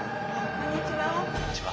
こんにちは。